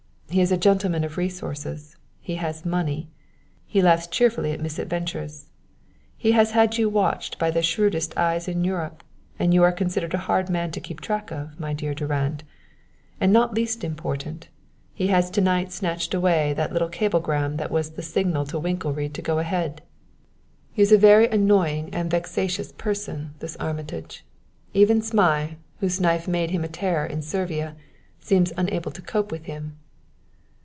He is a gentleman of resources; he has money; he laughs cheerfully at misadventures; he has had you watched by the shrewdest eyes in Europe, and you are considered a hard man to keep track of, my dear Durand. And not least important, he has to night snatched away that little cablegram that was the signal to Winkelried to go ahead. He is a very annoying and vexatious person, this Armitage. Even Zmai, whose knife made him a terror in Servia, seems unable to cope with him."